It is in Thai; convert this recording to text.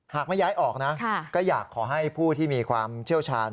หากไม่ย้ายออกนะก็อยากขอให้ผู้ที่มีความเชี่ยวชาญ